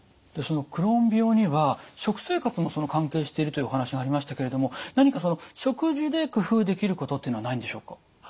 クローン病には食生活も関係しているというお話がありましたけれども何かその食事で工夫できることっていうのはないんでしょうか？